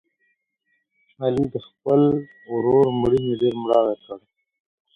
علي د خپل ورور مړینې ډېر مړاوی کړ.